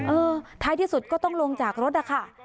เออท้ายที่สุดก็ต้องลงจากรถนะคะ